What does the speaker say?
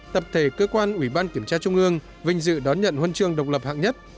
tập thể cơ quan ủy ban kiểm tra trung ương vinh dự đón nhận huân chương độc lập hạng nhất